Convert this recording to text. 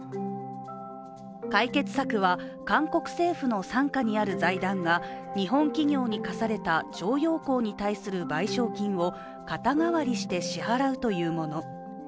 解決策は韓国政府の傘下にある財団が日本企業に課された徴用工に対する賠償金を肩代わりして支払うというもの。